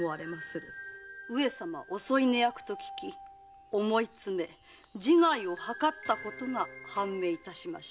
上様お添い寝役と聞き思い詰め自害を図ったと判明いたしました。